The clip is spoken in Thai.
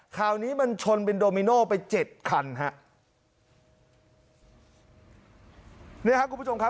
คราวนี้มันชนเป็นโดมิโนะไป๗คันค่ะ